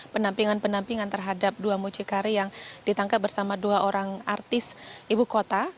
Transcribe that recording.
penampingan penampingan terhadap dua mucikari yang ditangkap bersama dua orang artis ibu kota